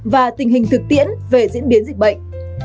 và tình hình thực tiễn về diễn biến dịch bệnh